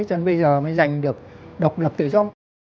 cho nên bây giờ mới giành được độc lập tự do